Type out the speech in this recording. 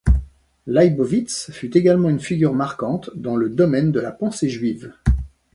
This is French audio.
Leibowitz fut également une figure marquante dans le domaine de la pensée juive.